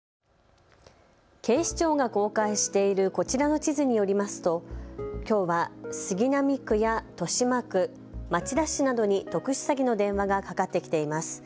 警視庁が公開しているこちらの地図によりますときょうは杉並区や豊島区、町田市などに特殊詐欺の電話がかかってきています。